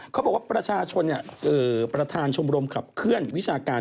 เขาบอกว่าประชาชนประธานชมรมขับเคลื่อนวิชาการ